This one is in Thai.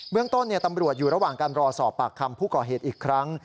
เรื่องต้นตำรวจอยู่ระหว่างการรอสอบปากคำผู้ก่อเหตุอีกครั้ง